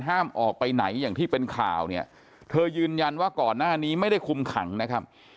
ห้ามออกไปไหนอย่างที่เป็นข่าวเนี่ยเธอยืนยันว่าก่อนหน้านี้ไม่ได้คุมขังนะครับ